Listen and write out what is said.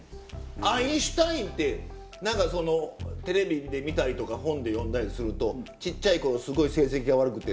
アインシュタインってなんかそのテレビで見たりとか本で読んだりするとちっちゃいころすごい成績が悪くて。